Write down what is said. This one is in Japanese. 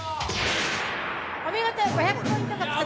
お見事、５００ポイント獲得です。